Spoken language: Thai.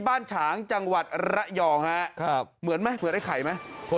ฉางจังหวัดระยองฮะเหมือนไหมเหมือนไอ้ไข่ไหม